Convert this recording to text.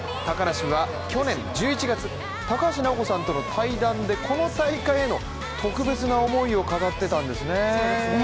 高梨は去年１１月、高橋尚子さんとの対談でこの大会への特別な思いを語ってたんですね。